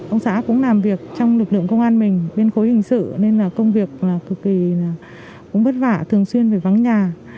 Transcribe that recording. ông xã cũng làm việc trong lực lượng công an mình bên khối hình sự nên là công việc là cực kỳ cũng vất vả thường xuyên phải vắng nhà